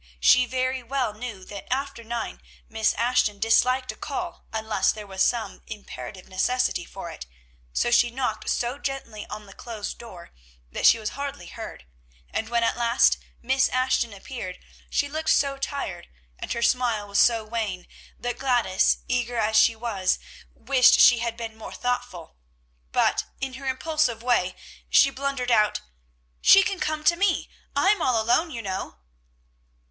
She very well knew that after nine Miss Ashton disliked a call unless there was some imperative necessity for it, so she knocked so gently on the closed door that she was hardly heard; and when at last Miss Ashton appeared, she looked so tired, and her smile was so wan, that Gladys, eager as she was, wished she had been more thoughtful; but, in her impulsive way, she blundered out, "She can come to me. I'm all alone, you know."